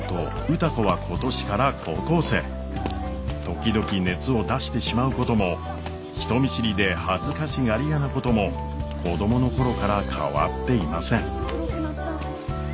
時々熱を出してしまうことも人見知りで恥ずかしがり屋なことも子供の頃から変わっていません。